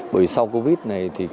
bởi sau covid này thì